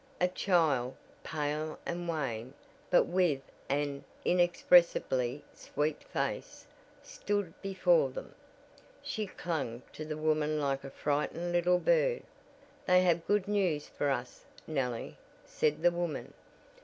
A child pale and wan, but with an inexpressibly sweet face stood before them. She clung to the woman like a frightened little bird. "They have good news for us, Nellie," said the woman.